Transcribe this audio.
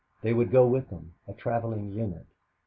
They would go with them, a traveling unit.